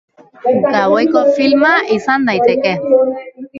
Gaueko filma izan daiteke.